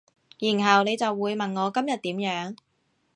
然後你就會問我今日點樣